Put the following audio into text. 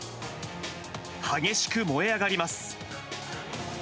激しく燃え上がります。